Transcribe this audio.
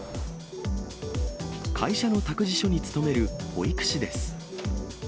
会社の託児所に勤める保育士です。